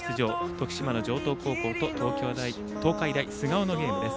徳島の城東高校と東海大菅生の対戦です。